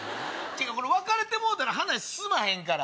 これ別れてもうたら話進まへんから。